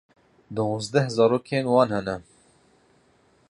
Diwanzdeh zarokên wan hene.